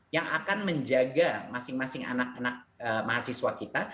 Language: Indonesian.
yang akan menjaga masing masing anak anak mahasiswa kita